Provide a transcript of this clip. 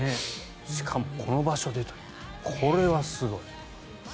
しかも、この場所でというこれはすごい。